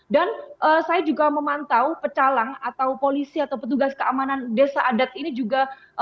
dan saya juga memantau pecalang atau polisi atau petugas keamanan desa adat ini juga